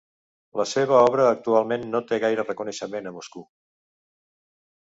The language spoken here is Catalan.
La seva obra actualment no té gaire reconeixement a Moscou.